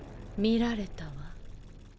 見られたわ。